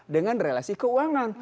dengan relasi keuangan